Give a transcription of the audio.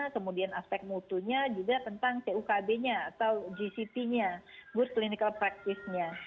kemudian aspek mutunya juga tentang tukb nya atau gct nya good clinical practice nya